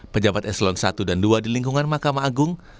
pejabat eslon i dan ii di lingkungan makam agung